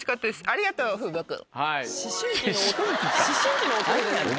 ありがとう風磨君。